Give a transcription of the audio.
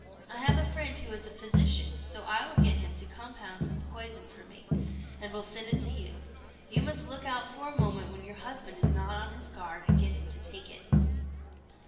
I have a friend who is a physician, so I will get him to compound some poison for me, and will send it to you. You must look out for a moment when your husband is not on his guard, and get him to take it."